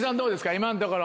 今のところ。